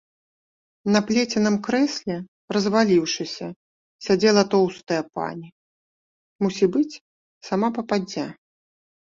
На плеценым крэсле, разваліўшыся, сядзела тоўстая пані, мусібыць, сама пападдзя.